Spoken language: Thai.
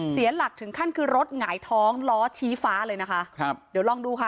เสียหลักถึงขั้นคือรถหงายท้องล้อชี้ฟ้าเลยนะคะครับเดี๋ยวลองดูค่ะ